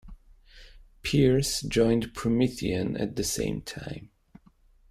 Pearce joined Promethean at the same time.